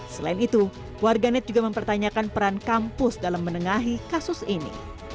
selain itu warganet juga mempertanyakan peran kampus dalam menengahi kasus ini